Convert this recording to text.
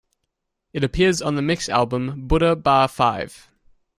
It appears on the mix album "Buddha Bar V".